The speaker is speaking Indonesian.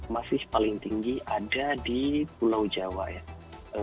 masih paling tinggi ada di pulau jawa ya